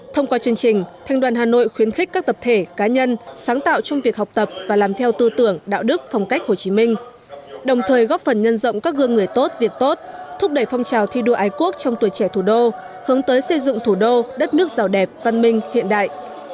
thông qua chương trình thành đoàn hà nội khuyến khích các tập thể cá nhân sáng tạo trong việc học tập và làm theo tư tưởng đạo đức phong cách hồ chí minh đồng thời góp phần nhân rộng các gương người tốt việc tốt thúc đẩy phong trào thi đua ái quốc trong tuổi trẻ thủ đô hướng tới xây dựng thủ đô đất nước giàu đẹp văn minh hiện đại